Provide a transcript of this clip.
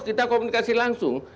kita komunikasi langsung